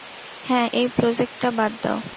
হ্যাঁ, এই প্রোজেক্টটা বাদ দাও।